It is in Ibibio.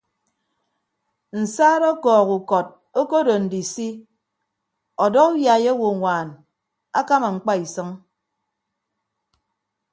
Nsaat ọkọọk ukọt okodo ndisi ọdọ uyai owoññwaan akama ñkpa isʌñ.